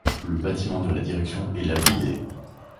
Le bâtiment de la direction est lapidé.